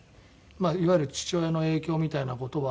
まあいわゆる父親の影響みたいな事は。